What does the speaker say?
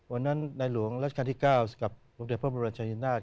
วันนั้นนายหลวงรัชกาลที่๙กับหลวงเดชน์พระบริษัทชาญินาศ